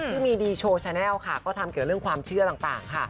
ซึ่งมีดีโชว์แชนแลลค่ะก็ทำเกี่ยวเรื่องความเชื่อต่างค่ะ